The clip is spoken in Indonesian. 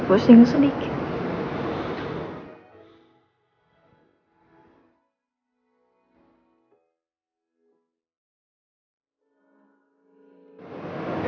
cara busing mutta hun